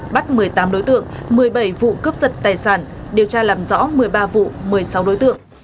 bắt một mươi tám đối tượng một mươi bảy vụ cướp giật tài sản điều tra làm rõ một mươi ba vụ một mươi sáu đối tượng